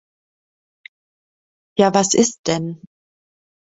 Ja, was ist denn?